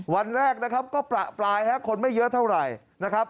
วันแรกนะครับก็ประปรายคนไม่เยอะเท่าไหร่นะครับ